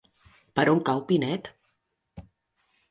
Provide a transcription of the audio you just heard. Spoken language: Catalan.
Per on cau Pinet?